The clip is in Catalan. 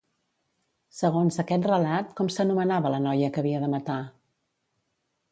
Segons aquest relat, com s'anomenava la noia que havia de matar?